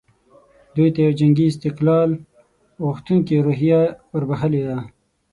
دوی ته یوه جنګي استقلال غوښتونکې روحیه وربخښلې ده.